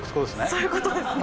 そういうことですね。